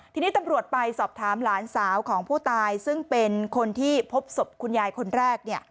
ทีนี้ตำรวจไปสอบถามหลานสาวของผู้ตายซึ่งเป็นคนที่พบศพคุณยายคนแรก